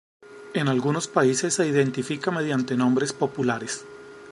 En algunos países se identifica mediante nombres populares.